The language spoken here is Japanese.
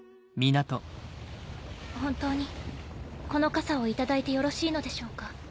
本当にこの傘を頂いてよろしいのでしょうか？